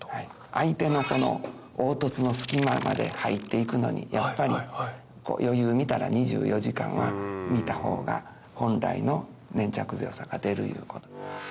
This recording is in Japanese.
相手の凹凸の隙間まで入っていくのにやっぱり余裕みたら２４時間はみた方が本来の粘着強さが出るいうこと。